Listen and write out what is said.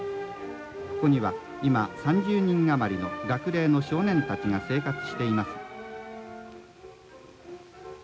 ここには今３０人余りの学齢の少年たちが生活しています」。